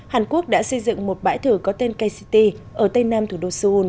hàn quốc đã xây dựng một bãi thử có tên kct ở tây nam thủ đô seoul